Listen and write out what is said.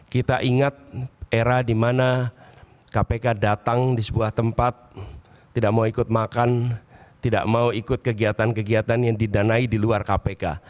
kita ingat era di mana kpk datang di sebuah tempat tidak mau ikut makan tidak mau ikut kegiatan kegiatan yang didanai di luar kpk